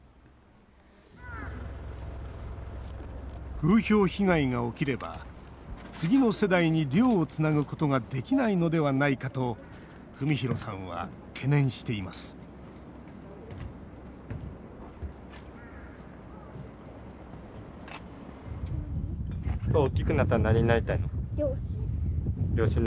風評被害が起きれば次の世代に漁をつなぐことができないのではないかと文宏さんは懸念しています一番、そこが不安ですね。